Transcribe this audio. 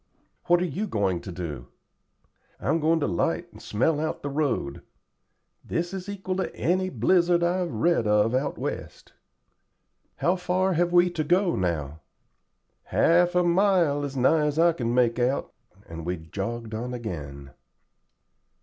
"What are you going to do?" "I'm going to 'light and smell out the road. This is equal to any blizzard I've read of out West." "How far have we to go now?" "Half a mile, as nigh as I can make out;" and we jogged on again.